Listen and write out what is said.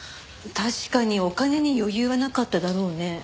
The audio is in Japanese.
確かにお金に余裕はなかっただろうね。